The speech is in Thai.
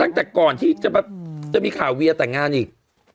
ตั้งแต่ก่อนที่จะมีข่าวเวียแต่งงานอีก